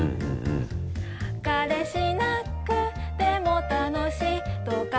彼氏いなくても楽しいとか